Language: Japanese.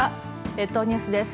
列島ニュースです。